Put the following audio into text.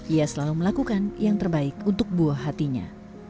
ia selalu melakukan yang terbaik untuk buah hatinya